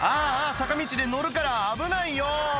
坂道で乗るから危ないよ！